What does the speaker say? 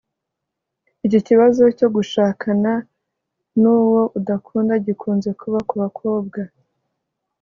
Iki kibazo cyo gushakana n’uwo udakunda gikunze kuba ku bakobwa